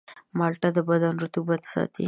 مالټه د بدن رطوبت ساتي.